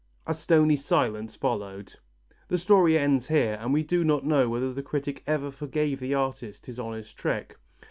A stony silence followed. The story ends here and we do not know whether the critic ever forgave the artist his honest trick.